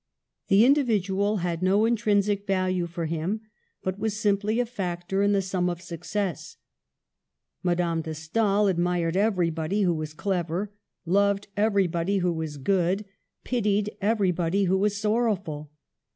The individual had no intrinsic value for him, but was simply a factor in the sum of suc cess. Madame de Stael admired everybody who was clever, loved everybody who was good, pitied everybody who was sorrowful.